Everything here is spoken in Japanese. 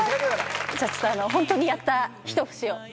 ホントにやったひと節を。